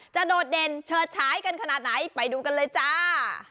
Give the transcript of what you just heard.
โดดเด่นเฉิดฉายกันขนาดไหนไปดูกันเลยจ้า